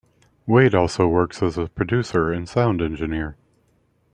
Wead also works as a producer and sound engineer.